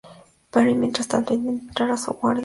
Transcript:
Perry, mientras tanto, intenta entrar a su guarida.